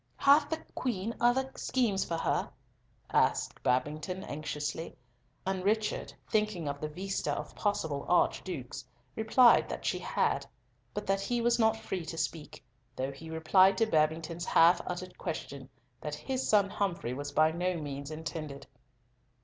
"Hath the Queen other schemes for her?" asked Babington, anxiously; and Richard, thinking of the vista of possible archdukes, replied that she had; but that he was not free to speak, though he replied to Babington's half uttered question that his son Humfrey was by no means intended.